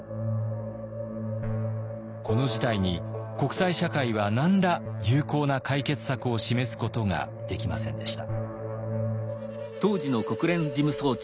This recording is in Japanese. この事態に国際社会は何ら有効な解決策を示すことができませんでした。